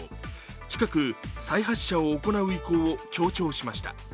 近く、再発射を行う意向を強調しました。